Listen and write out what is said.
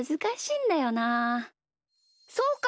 そうか！